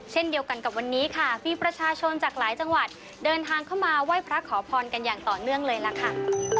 เช่นเดียวกันกับวันนี้ค่ะมีประชาชนจากหลายจังหวัดเดินทางเข้ามาไหว้พระขอพรกันอย่างต่อเนื่องเลยล่ะค่ะ